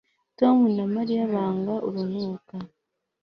Tom na Mariya banga urunuka